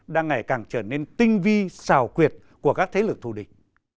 đang ngày càng trở nên tinh vi xào quyệt của các thế lực thù địch